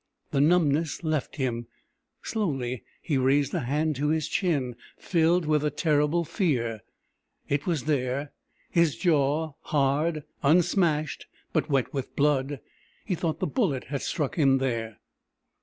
The numbness left him, slowly he raised a hand to his chin, filled with a terrible fear. It was there his jaw, hard, unsmashed, but wet with blood. He thought the bullet had struck him there.